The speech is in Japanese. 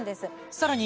さらに